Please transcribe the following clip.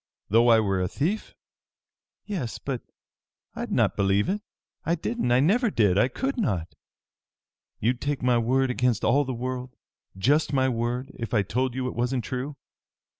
"Though I were a thief?" "Yes! But I'd not believe it! I didn't! I never did! I could not!" "You'd take my word against all the world just my word, if I told you it wasn't true?